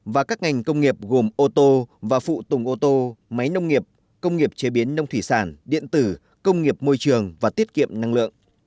và các ngành công nghiệp gồm ô tô và phụ tùng ô tô máy nông nghiệp công nghiệp chế biến nông thủy sản điện tử công nghiệp môi trường và tiết kiệm năng lượng